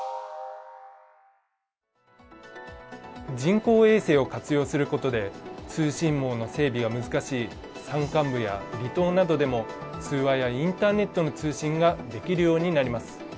人工衛星を活用することで通信網の整備が難しい山間部や離島などでも通話やインターネットの通信ができるようになります。